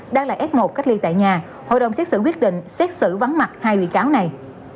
đang là f một cách ly tại nhà hội đồng xét xử quyết định xét xử vắng mặt hai bị cáo này